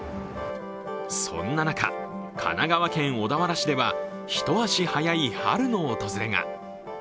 そんな中、神奈川県小田原市では一足早い春の訪れが。